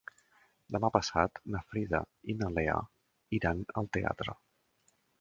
Demà passat na Frida i na Lea iran al teatre.